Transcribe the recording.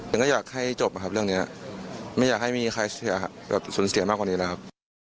ก็อยากให้จบนะครับเรื่องนี้ไม่อยากให้มีใครเสียแบบสูญเสียมากกว่านี้แล้วครับ